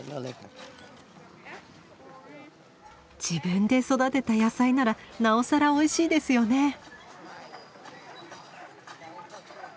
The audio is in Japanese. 自分で育てた野菜ならなおさらおいしいですよね。